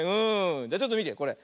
じゃちょっとみてこれ。